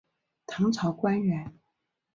唐朝官员。